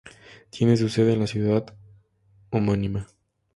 Tiene su sede en la ciudad homónima.